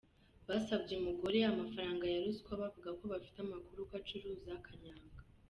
Basabye umugore amafaranga ya ruswa bavuga ko bafite amakuru ko acuruza kanyanga”.